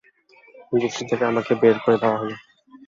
গোষ্ঠী থেকে আমাকে বের করে দেয়া হল।